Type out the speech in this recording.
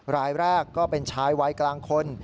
รายแรกก็เป็นชายวัยกลางคน